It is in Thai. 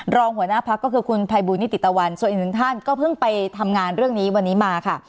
รองหัวหน้าพักก็คือคุณภัยบูลนิติตะวันส่วนอีกหนึ่งท่านก็เพิ่งไปทำงานเรื่องนี้วันนี้มาค่ะ